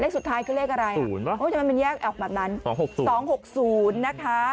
เลขสุดท้ายคือเลขอะไรฮะโอ๊ยมันแยกออกแบบนั้นคือ๒๖๐นะคะ